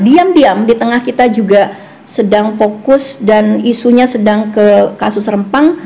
diam diam di tengah kita juga sedang fokus dan isunya sedang ke kasus rempang